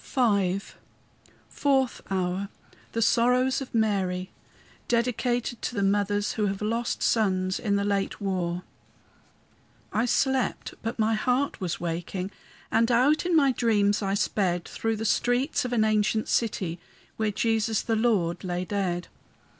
V FOURTH HOUR THE SORROWS OF MARY DEDICATED TO THE MOTHERS WHO HAVE LOST SONS IN THE LATE WAR I slept, but my heart was waking, And out in my dreams I sped, Through the streets of an ancient city, Where Jesus, the Lord, lay dead.